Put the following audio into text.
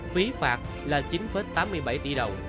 phí phạt là chín tám mươi bảy tỷ đồng